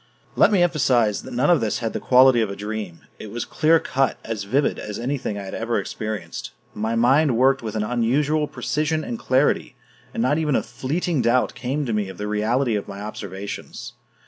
Let me emphasize that none of this had the quality of a dream; it was clear cut, as vivid as anything I had ever experienced; my mind worked with an unusual precision and clarity, and not even a fleeting doubt came to me of the reality of my observations.